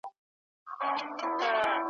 چی را یادي می ساده ورځی زلمۍ سي !.